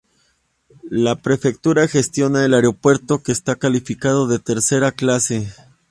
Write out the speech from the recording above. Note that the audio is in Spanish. La prefectura gestiona el aeropuerto que está calificado de tercera clase.